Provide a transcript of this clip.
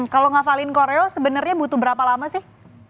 kalau ngafalin korea sebenarnya butuh berapa lama sih